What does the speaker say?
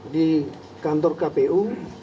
di kantor kpu